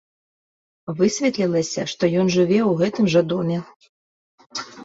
Высветлілася, што ён жыве ў гэтым жа доме.